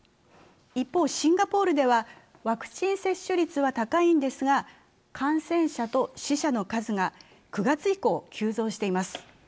一方、シンガポールではワクチン接種率は高いんですが感染者と死者の数が９月以降、急増しています。